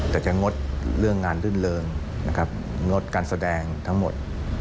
แต่จะงดเรื่องงานรื่นเริงนะครับงดการแสดงทั้งหมด